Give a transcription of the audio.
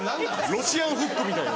ロシアンフックみたい。